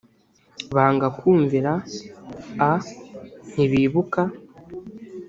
banga kumvira a ntibibuka